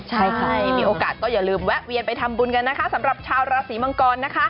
ใช่ใครมีโอกาสก็อย่าลืมแวะเวียนไปทำบุญกันนะคะสำหรับชาวราศีมังกรนะคะ